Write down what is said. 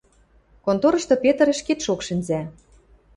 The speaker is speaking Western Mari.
Конторышты Петр ӹшкетшок шӹнзӓ.